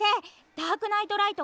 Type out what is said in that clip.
「ダークナイトライト」？